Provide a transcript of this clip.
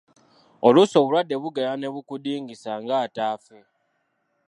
Oluusi obulwadde bugenda ne bukudingisa nga ataafe.